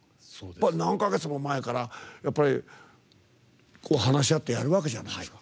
何か月も前から話し合ってやるわけじゃないですか。